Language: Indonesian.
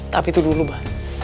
tapi itu dulu mbah